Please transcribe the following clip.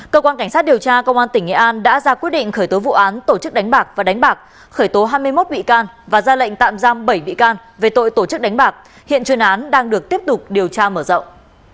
cơ quan cảnh sát điều tra công an tỉnh nghệ an đã ra quyết định khởi tố vụ án tổ chức đánh bạc và đánh bạc khởi tố hai mươi một bị can và ra lệnh tạm giam bảy bị can về tội tổ chức đánh bạc hiện chuyên án đang được tiếp tục điều tra mở rộng